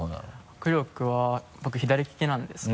握力は僕左利きなんですけど。